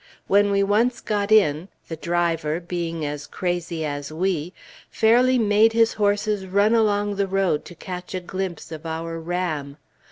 When we once got in, the driver, being as crazy as we, fairly made his horses run along the road to catch a glimpse of our Ram.